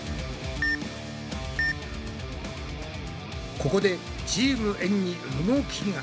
ここでチームエんに動きが！